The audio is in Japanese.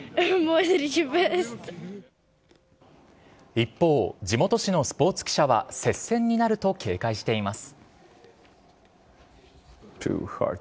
一方、地元紙のスポーツ記者は接戦になると警戒しています。